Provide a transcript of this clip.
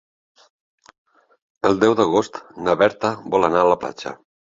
El deu d'agost na Berta vol anar a la platja.